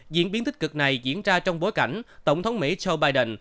diễn biến tích cực này diễn ra trong bối cảnh tổng thống mỹ joe biden